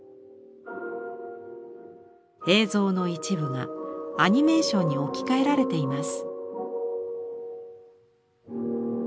映像の一部がアニメーションに置き換えられています。